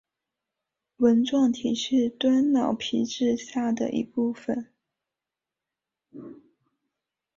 纹状体是端脑皮质下的一部份。